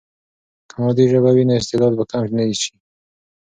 که مادي ژبه وي، نو استعداد به کم نه سي.